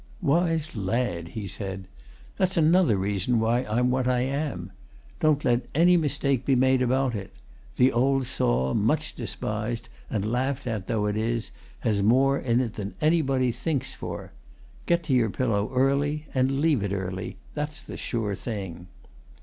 "Wise lad!" he said. "That's another reason why I'm what I am. Don't let any mistake be made about it! the old saw, much despised and laughed at though it is, has more in it than anybody thinks for. Get to your pillow early, and leave it early! that's the sure thing."